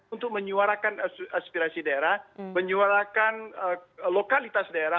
untuk menyuarakan aspirasi daerah menyuarakan lokalitas daerah